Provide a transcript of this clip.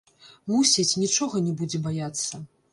Мусіць, нічога не будзе баяцца.